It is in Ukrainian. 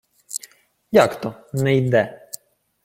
— Як то «не йде»?